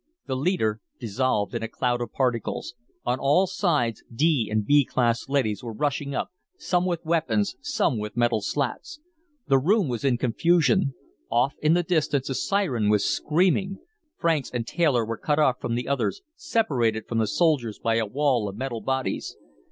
The leader dissolved in a cloud of particles. On all sides D and B class leadys were rushing up, some with weapons, some with metal slats. The room was in confusion. Off in the distance a siren was screaming. Franks and Taylor were cut off from the others, separated from the soldiers by a wall of metal bodies.